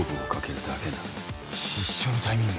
必勝のタイミング。